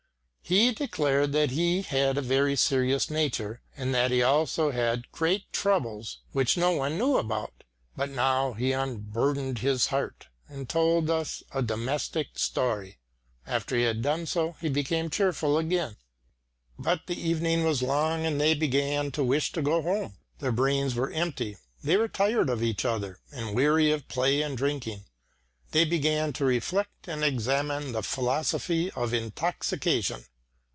He declared that he had a very serious nature and that he also had great troubles which no one knew about, but now he unburdened his heart and told us a domestic story. After he had done so, he became cheerful again. But the evening was long and they began to wish to go home. Their brains were empty; they were tired of each other, and weary of play and drinking. They began to reflect and examine the philosophy of intoxication.